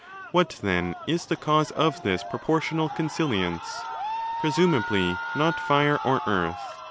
What, then, is the cause of this proportional consilience? Presumably not Fire or Earth.